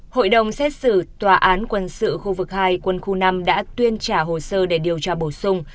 hội đồng xét xử tòa án quân sự khu vực hai quân khu năm đã tuyên trả hồ sơ để điều tra bổ sung